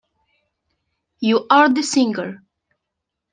You're the singer.